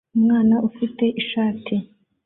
Umwana ufite ishati